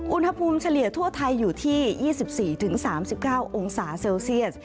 เฉลี่ยทั่วไทยอยู่ที่๒๔๓๙องศาเซลเซียส